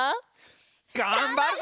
がんばるぞ！